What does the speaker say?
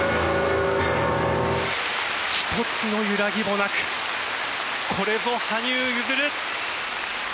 一つの揺らぎもなくこれぞ羽生結弦。